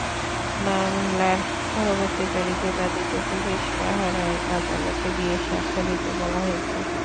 মামলার পরবর্তী তারিখে বাদীকে পুলিশ পাহারায় আদালতে গিয়ে সাক্ষ্য দিতে বলা হয়েছে।